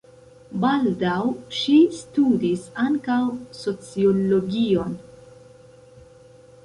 Baldaŭ ŝi studis ankaŭ sociologion.